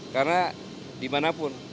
karena di mana pun